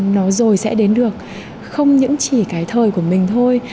nó rồi sẽ đến được không những chỉ cái thời của mình thôi